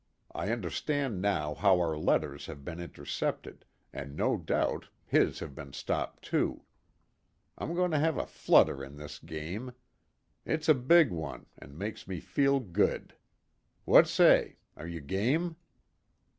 I understand now how our letters have been intercepted, and no doubt his have been stopped too. I'm going to have a flutter in this game. It's a big one, and makes me feel good. What say? Are you game?"